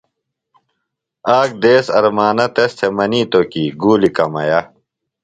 آک دیس ارمانہ تس تھےۡ منِیتوۡ کی گُولیۡ کمیہ۔